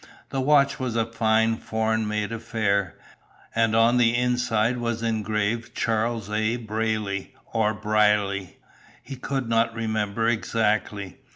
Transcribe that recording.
The watch was a fine foreign made affair, and on the inside was engraved Charles A. 'Braily' or 'Brierly'; he could not remember exactly.